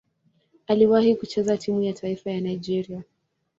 Aliwahi kucheza timu ya taifa ya Nigeria.